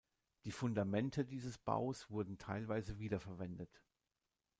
Die Fundamente dieses Baus wurden teilweise wiederverwendet.